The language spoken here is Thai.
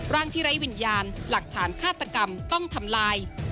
ร่างที่ไร้วิญญาณหลักฐานฆาตกรรมต้องทำลาย